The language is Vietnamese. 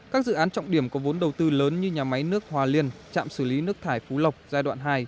các dự án trọng điểm có vốn đầu tư lớn như nhà máy nước hòa liên trạm xử lý nước thải phú lộc giai đoạn hai